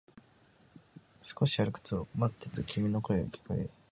少し歩くと、待ってと君の声が聞こえ、君は止まった